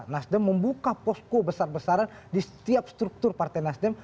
nasdem membuka posko besar besaran di setiap struktur partai nasdem